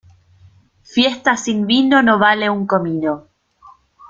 Fiesta sin vino no vale un comino.